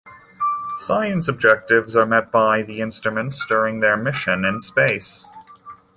Science objectives are met by the instruments during their mission in space.